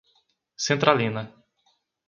Centralina